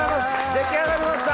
出来上がりました